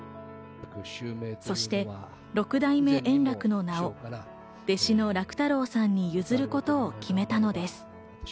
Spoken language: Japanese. そして六代目円楽の名を弟子の楽太郎さんに譲ることを決めたのです。